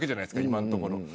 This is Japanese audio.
今のところ。